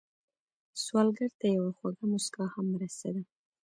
سوالګر ته یوه خوږه مسکا هم مرسته ده